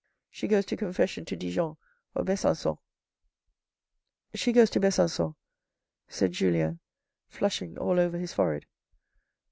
She goes to confession to Dijon or Besancon." " She goes to Besancon," said Julien, flushing all over his forehead.